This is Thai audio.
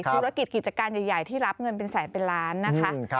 ธุรกิจกิจการใหญ่ที่รับเงินเป็นแสนเป็นล้านนะคะ